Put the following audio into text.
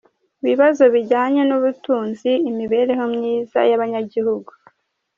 Ibibazo bijyanye n'ubutunzi, imibereho myiza y'abanyagihugu; .